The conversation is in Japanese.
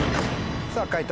さぁ解答